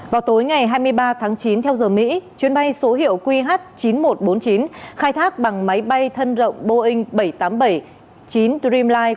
vào tối ngày hai mươi ba tháng chín theo giờ mỹ chuyến bay số hiệu qh chín nghìn một trăm bốn mươi chín khai thác bằng máy bay thân rộng boeing bảy trăm tám mươi bảy chín dream line